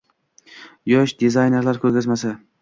Yosh dizaynerlar ko‘rgazmasi